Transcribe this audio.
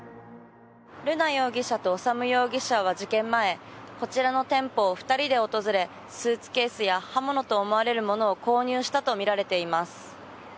瑠奈容疑者と修容疑者は事件前こちらの店舗を２人で訪れスーツケースや刃物と思われるものを購入したとみられています。